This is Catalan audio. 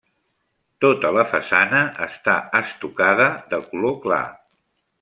Tota la façana està estucada de color clar.